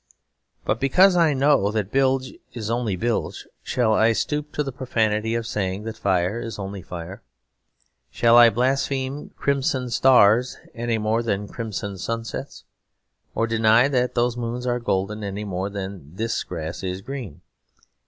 But because I know that Bilge is only Bilge, shall I stoop to the profanity of saying that fire is only fire? Shall I blaspheme crimson stars any more than crimson sunsets, or deny that those moons are golden any more than that this grass is green?